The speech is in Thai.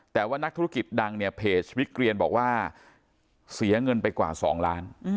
แต่ว่านักธุรกิจดังเนี่ยเพจวิกเรียนบอกว่าเสียเงินไปกว่า๒ล้าน